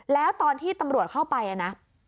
แล้วตอนที่ตำรวจเข้าไปนะ